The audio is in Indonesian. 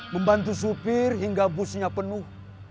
membantu supir hingga busnya penuh